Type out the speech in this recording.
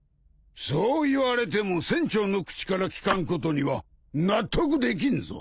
そう言われても船長の口から聞かんことには納得できんぞ。